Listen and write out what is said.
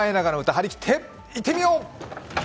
張り切っていってみよう！